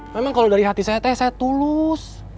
memang kalau dari hati saya teh saya tulus